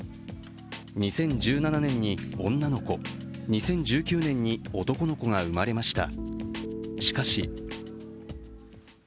２０１７年に女の子、２０１９年に男の子が産まれました。